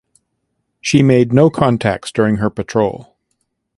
She made no contacts during her patrol.